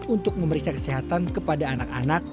untuk memeriksa kesehatan kepada anak anak